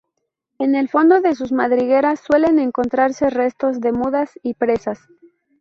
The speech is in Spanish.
En el fondo de sus madrigueras suelen encontrarse restos de mudas y presas.